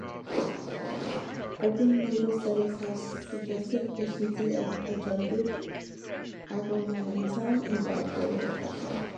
Open-label studies have suggested efficacy of adjunctive agomelatine in bipolar depression.